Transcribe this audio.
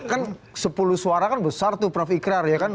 kan sepuluh suara kan besar tuh prof ikrar ya kan